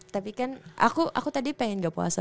tapi kan aku tadi pengen gak puasa